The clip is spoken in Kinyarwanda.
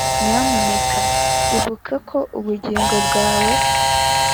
Nyamuneka ibuka ko ubugingo bwanjye